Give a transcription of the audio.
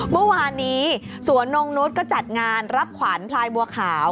เมื่อวานนี้สวนนงนุษย์ก็จัดงานรับขวัญพลายบัวขาว